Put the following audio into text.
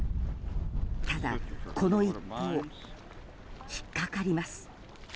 ただ、この一報引っ掛かります。